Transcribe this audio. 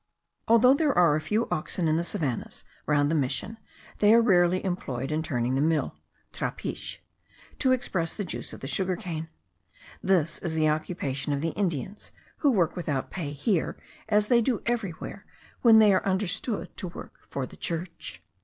Although there are a few oxen in the savannahs round the mission, they are rarely employed in turning the mill (trapiche), to express the juice of the sugar cane; this is the occupation of the Indians, who work without pay here as they do everywhere when they are understood to work for the church.